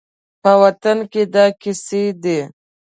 په وطن کې دا کیسې دي